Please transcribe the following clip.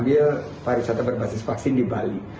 kita harus mengambil pariwisata berbasis vaksin di bali